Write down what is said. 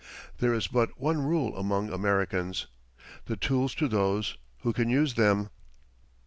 There is but one rule among Americans the tools to those who can use them.